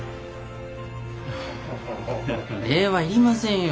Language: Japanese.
礼は要りませんよ。